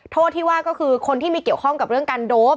โทษที่ว่าก็คือคนที่มีเกี่ยวข้องกับเรื่องการโดป